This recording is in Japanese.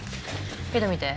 けど見て。